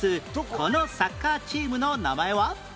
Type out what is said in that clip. このサッカーチームの名前は？